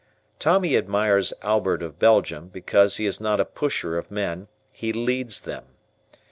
Tommy admires Albert of Belgium because he is not a pusher of men, he LEADS them.